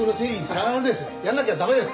やらなきゃ駄目です！